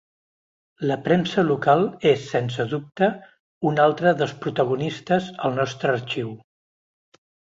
La premsa local és sense dubte, un altre dels protagonistes al nostre arxiu.